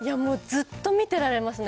ずっと見てられますね。